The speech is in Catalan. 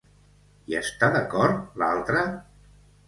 Hi està d'acord l'altra?